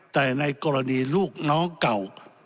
แต่ในกรณีลูกน้องเก่า